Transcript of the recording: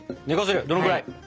どのぐらい？